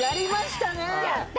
やった。